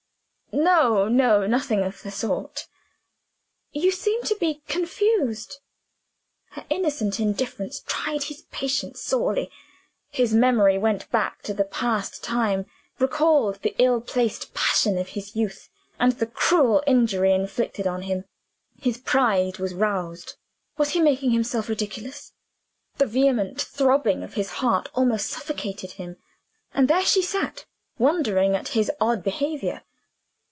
"No, no! nothing of the sort!" "You seem to be confused." Her innocent indifference tried his patience sorely. His memory went back to the past time recalled the ill placed passion of his youth, and the cruel injury inflicted on him his pride was roused. Was he making himself ridiculous? The vehement throbbing of his heart almost suffocated him. And there she sat, wondering at his odd behavior.